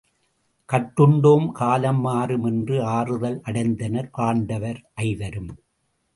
கட்டுண்டோம் காலம் மாறும் என்று ஆறுதல் அடைந்தனர் பாண்டவர் ஐவரும்.